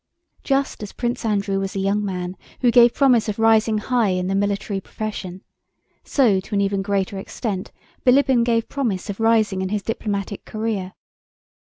Just as Prince Andrew was a young man who gave promise of rising high in the military profession, so to an even greater extent Bilíbin gave promise of rising in his diplomatic career.